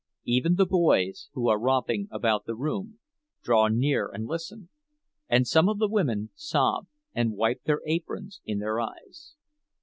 Even the boys, who are romping about the room, draw near and listen, and some of the women sob and wipe their aprons in their eyes.